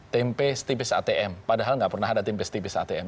tempe tipis atm padahal tidak pernah ada tempe tipis atm